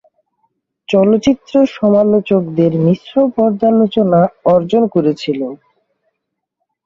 চলচ্চিত্র সমালোচকদের মিশ্র পর্যালোচনা অর্জন করেছিল।